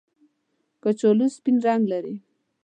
کچالو سپین رنګ لري